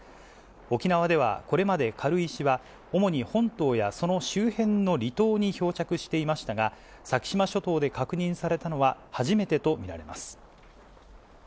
沖縄ではこれまで軽石は、主に本島やその周辺の離島に漂着していましたが、先島諸島で確認されたのは初めてと見られます。